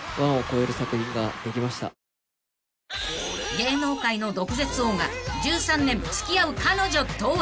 ［芸能界の毒舌王が１３年付き合う彼女とは？］